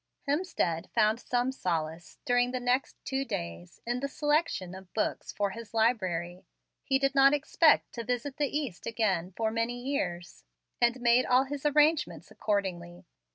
Hemstead found some solace, during the next two days, in the selection of books for his library. He did not expect to visit the East again for many years, and made all his arrangements accordingly.